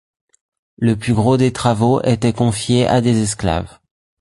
Le plus gros des travaux était confié à des esclaves.